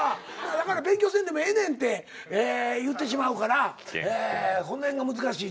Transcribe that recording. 「だから勉強せんでもええねん」って言ってしまうからこの辺が難しいとこやけども。